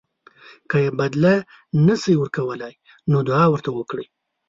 که یې بدله نه شئ ورکولی نو دعا ورته وکړئ.